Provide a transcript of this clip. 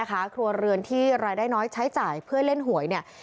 ครัวเรือนที่รายได้น้อยใช้จ่ายเพื่อเล่นหวยเนี่ย